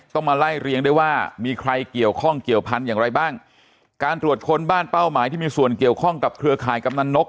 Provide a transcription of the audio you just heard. ต้องมาไล่เรียงได้ว่ามีใครเกี่ยวข้องเกี่ยวพันธุ์อย่างไรบ้างการตรวจค้นบ้านเป้าหมายที่มีส่วนเกี่ยวข้องกับเครือข่ายกำนันนก